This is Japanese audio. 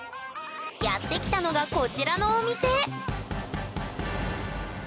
やって来たのがこちらのお店どうぞ。